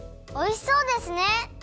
おいしそうですね！